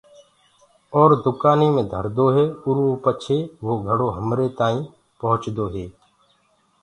اور دُڪآني مي ڌردو هي ارو پچي وو گھڙو همري تآئينٚ رسدو هي۔